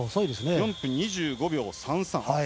４分２５秒３３。